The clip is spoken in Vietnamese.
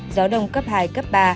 gió đông cấp hai cấp ba